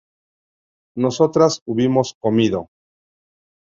nosotras hubimos comido